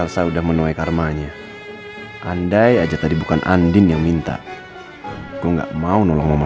sampai jumpa di video selanjutnya